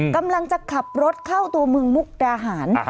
กำลังจะขับรถเข้าตัวเมืองมุกดาหาร